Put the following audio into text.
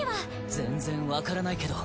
全然わからないけど。